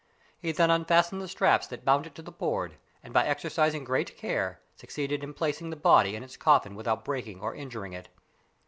He then unfastened the straps that bound it to the board, and by exercising great care succeeded in placing the body in its coffin without breaking or injuring it.